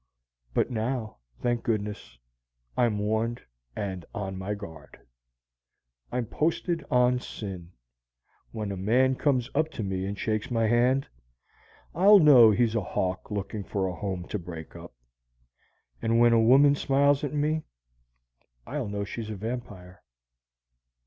But now, thank goodness, I'm warned and on my guard. I'm posted on sin. When a man comes up to me and shakes my hand, I'll know he's a hawk looking for a home to break up; and when a woman smiles at me, I'll know she's a vampire.